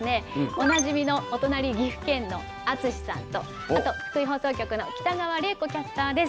おなじみのお隣岐阜県の敦士さんとあと福井放送局の北川玲子キャスターです。